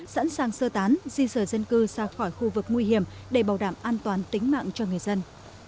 sẵn sàng sơ tán di rời dân cư ra khỏi khu vực nguy hiểm để bảo đảm an toàn tính mạng cho người dân